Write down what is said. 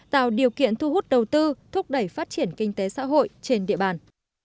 tạo điều kiện thu hút đầu tư thúc đẩy phát triển kinh tế xã hội trên địa bàn